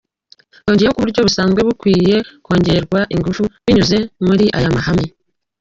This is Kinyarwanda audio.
Yongeyeho ko uburyo busanzwe bukwiriye kongererwa ingufu binyuze muri aya mahame.